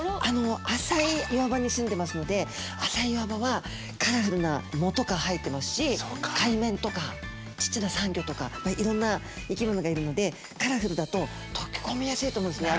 浅い岩場にすんでますので浅い岩場はカラフルな藻とか生えてますし海綿とか小さなサンゴとかいろんな生き物がいるのでカラフルだと溶け込みやすいと思うんですね